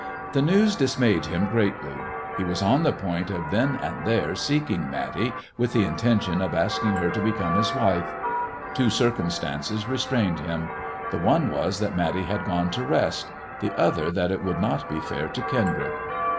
The news dismayed him greatly. He was on the point of then and there seeking Matty, with the intention of asking her to become his wife. Two circumstances restrained him. The one was that Matty had gone to rest, the other that it would not be fair to Kendrick.